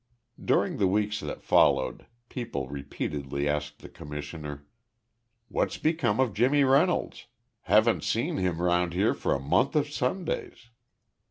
During the weeks that followed, people repeatedly asked the Commissioner: "What's become of Jimmy Reynolds? Haven't seen him round here for a month of Sundays."